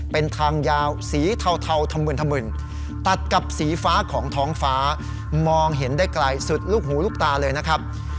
เป็นทางยาวสีเทาถมึนธมึนตัดกับสีฟ้าของท้องฟ้ามองเห็นได้ไกลสุดลูกหูลูกตาเลยนะครับ